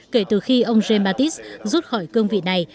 kể từ khi ông jean baptiste rút khỏi cương vị này